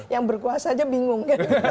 yang berkuasa saja bingung